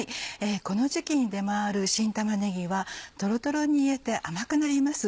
この時期に出回る新玉ねぎはトロトロに煮えて甘くなります。